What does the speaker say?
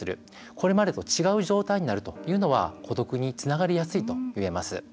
これまでと違う状態になるというのは孤独につながりやすいといえます。